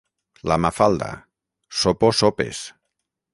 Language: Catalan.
La Mafalda: —Sopo sopes.